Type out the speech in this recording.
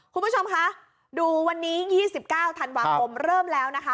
คุณผู้ชมคะดูวันนี้๒๙ธันวาคมเริ่มแล้วนะคะ